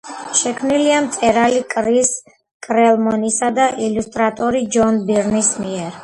შექმნილია მწერალი კრის კლერმონისა და ილუსტრატორი ჯონ ბირნის მიერ.